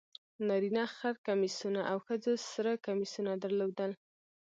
نارینه خر کمیسونه او ښځو سره کمیسونه درلودل.